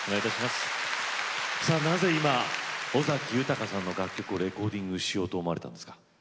さあなぜ今尾崎豊さんの楽曲をレコーディングしようと思われたんですか？